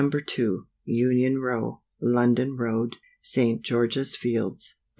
2, Union row, London Road, St. George's Fields, Dec.